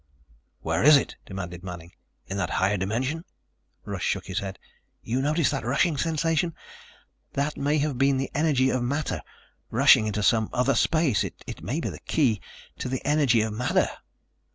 "Where is it?" demanded Manning. "In that higher dimension?" Russ shook his head. "You noticed that rushing sensation? That may have been the energy of matter rushing into some other space. It may be the key to the energy of matter!"